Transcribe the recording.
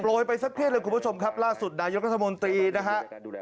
ยไปสักเครียดเลยคุณผู้ชมครับล่าสุดนายกรัฐมนตรีนะฮะ